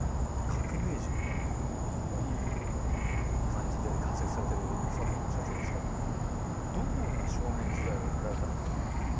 感じで活躍されてる佐藤社長ですけどもどのような少年時代を送られたのかなという。